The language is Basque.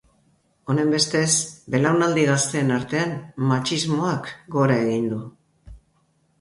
Honenbestez, belaunaldi gazteen artean matxismoak gora egin du.